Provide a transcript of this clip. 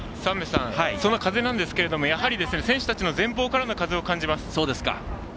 その風なんですけれども選手たちの前方からの風を感じます。